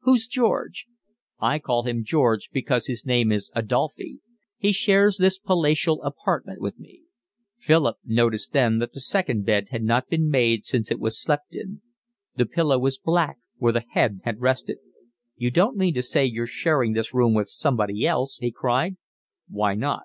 "Who's George?" "I call him George because his name is Adolphe. He shares this palatial apartment with me." Philip noticed then that the second bed had not been made since it was slept in. The pillow was black where the head had rested. "You don't mean to say you're sharing this room with somebody else?" he cried. "Why not?